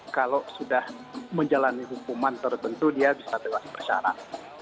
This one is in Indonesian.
tidak menjalani hukuman terbentuk dia bisa bebas bersyarat